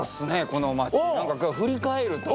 この街何か振り返ると。